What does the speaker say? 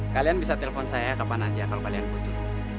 kalian bisa telepon saya kapan aja kalau kalian butuh